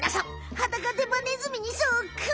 ハダカデバネズミにそっくり！